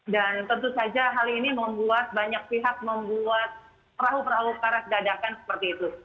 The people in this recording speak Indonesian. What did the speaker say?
dan tentu saja hal ini membuat banyak pihak membuat perahu perahu karet dadakan seperti itu